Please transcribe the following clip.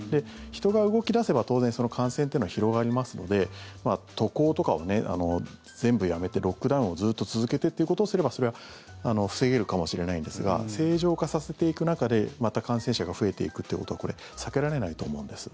人が動き出せば、当然感染というのは広がりますので渡航とかを全部やめてロックダウンをずっと続けてということをすればそれは防げるかもしれないんですが正常化させていく中でまた感染者が増えていくということはこれは避けられないと思うんです。